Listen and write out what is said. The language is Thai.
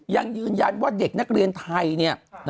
ยังยืนยันว่าเด็กนักเรียนไทยเนี่ย